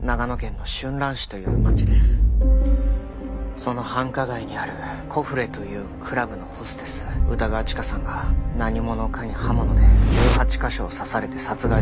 その繁華街にあるコフレというクラブのホステス歌川チカさんが何者かに刃物で１８カ所を刺されて殺害されました。